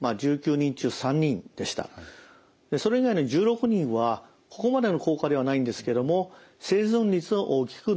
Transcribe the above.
それ以外の１６人はここまでの効果ではないんですけども生存率は大きく伸びています。